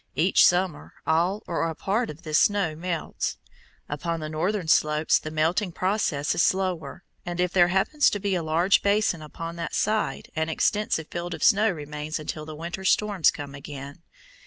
Each summer all or a part of this snow melts. Upon the northern slopes the melting process is slower, and if there happens to be a large basin upon that side, an extensive field of snow remains until the winter storms come again.